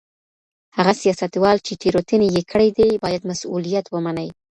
هغه سياستوال چي تېروتني يې کړې دي بايد مسؤليت ومني.